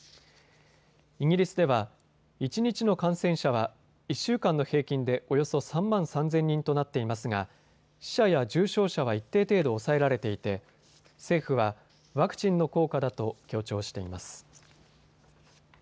イギリスでは一日の感染者は１週間の平均でおよそ３万３０００人となっていますが死者や重症者は一定程度、抑えられていて政府はワクチンの効果だと強調しています。